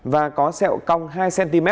và có xeo cong hai cm